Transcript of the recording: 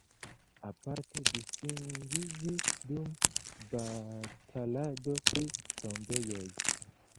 Aparte distingiĝis dum batalado pri tombejoj.